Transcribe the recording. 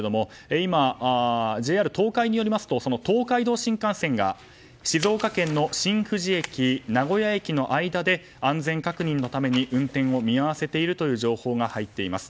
今、ＪＲ東海によりますと東海道新幹線が静岡県の新富士駅名古屋駅の間で安全確認のために運転を見合わせているという情報が入っています。